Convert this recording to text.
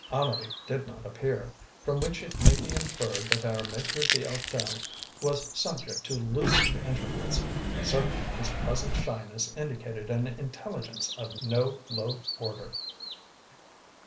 Amedee did not appear, from which it may be inferred that our maitre d'hotel was subject to lucid intervals. Certainly his present shyness indicated an intelligence of no low order.